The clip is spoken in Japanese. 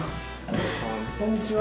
こんにちは。